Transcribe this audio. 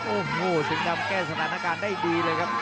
โอ้โหสีดำแก้สถานการณ์ได้ดีเลยครับ